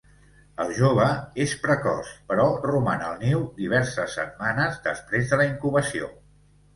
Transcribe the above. El jove és precoç, però roman al niu diverses setmanes després de la incubació.